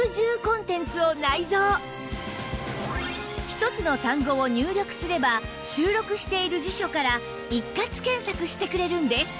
一つの単語を入力すれば収録している辞書から一括検索してくれるんです